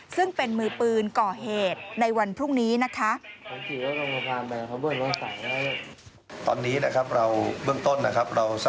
ซึ่งเป็นมือปืนก่อเหตุในวันพรุ่งนี้นะคะ